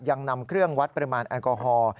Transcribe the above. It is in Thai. ยังนำเครื่องวัดปริมาณแอลกอฮอล์